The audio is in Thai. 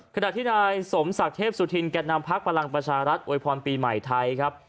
ขณะที่นายสมศักดิ์เทพสุธินแก่นำพักพลังประชารัฐอวยพรปีใหม่ไทยครับ